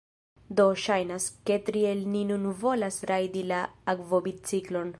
Do, ŝajnas, ke tri el ni nun volas rajdi la akvobiciklon